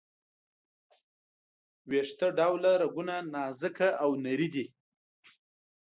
ویښته ډوله رګونه نازکه او نري دي.